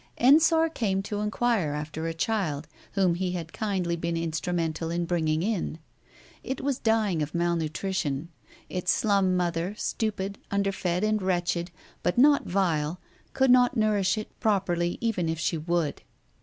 Ensor came to inquire after a child, whom he had kindly been instrumental in bringing in. It was dying of malnutrition. Its slum mother, stupid, underfed and wretched, but not vile, could not nourish it properly even if she would.